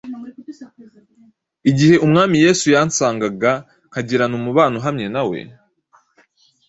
Igihe Umwami Yesu yansangaga nkagirana umubano uhamye na we,